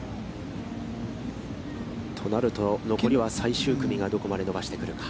となると、残りは最終組がどこまで伸ばしてくるか。